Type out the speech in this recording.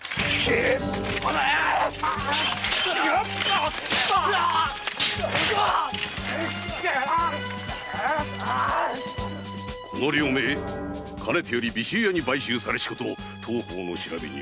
この両名かねてより尾州屋に買収されしこと当方の調べにて明白！